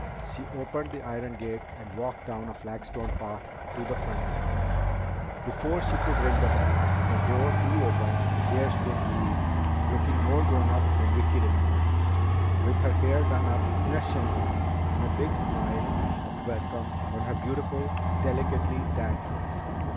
She opened the iron gate and walked down a flagstone path to the front door. Before she could ring the bell, the door flew open and there stood Louise, looking more grownup than Vicki remembered her, with her dark hair done up in a chignon and a big smile of welcome on her beautiful, delicately tanned face.